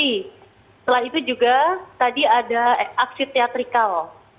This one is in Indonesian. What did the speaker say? setelah itu juga tadi ada aksi teatrikal